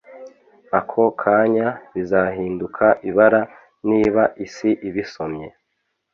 Ako kanya bizahinduka ibara niba isi ibisomye